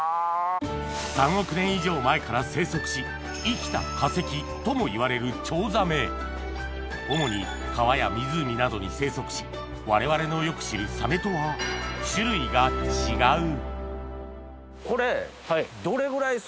３億年以上前から生息し「生きた化石」ともいわれるチョウザメ主に川や湖などに生息し我々のよく知るサメとは種類が違うこれ。